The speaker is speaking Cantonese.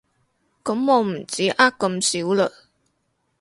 噉我唔止呃咁少了